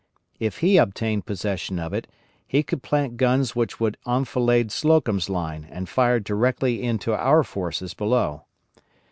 If he obtained possession of it he could plant guns which would enfilade Slocum's line and fire directly into our forces below.